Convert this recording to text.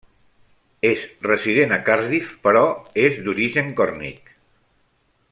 És resident a Cardiff però és d'origen còrnic.